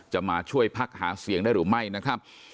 มาช่วยพักหาเสียงได้หรือไม่นะครับ